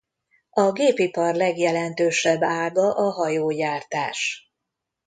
A gépipar legjelentősebb ága a hajógyártás.